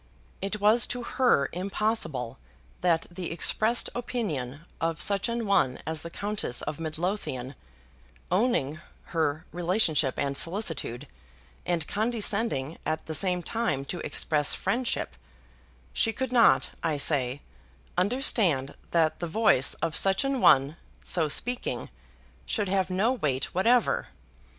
It was to her impossible that the expressed opinion of such an one as the Countess of Midlothian, owning her relationship and solicitude, and condescending at the same time to express friendship, she could not, I say, understand that the voice of such an one, so speaking, should have no weight whatever.